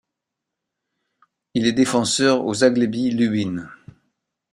Il est défenseur au Zaglebie Lubin.